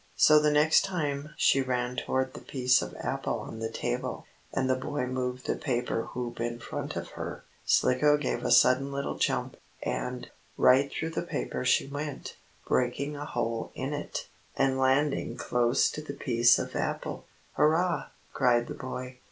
So the next time she ran toward the piece of apple on the table, and the boy moved the paper hoop in front of her, Slicko gave a sudden little jump, and, right through the paper she went, breaking a hole in it, and landing close to the piece of apple. "Hurrah!" cried the boy.